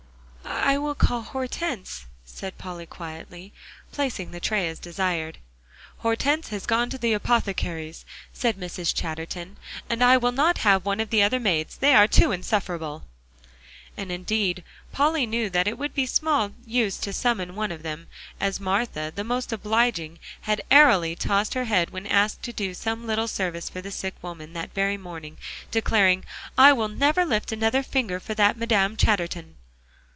"I will call Hortense," said Polly quietly, placing the tray as desired. "Hortense has gone to the apothecary's," said Mrs. Chatterton, "and I will not have one of the other maids; they are too insufferable." And indeed Polly knew that it would be small use to summon one of them, as Martha, the most obliging, had airily tossed her head when asked to do some little service for the sick woman that very morning, declaring, "I will never lift another finger for that Madame Chatterton."